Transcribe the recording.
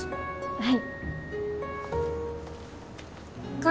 はい。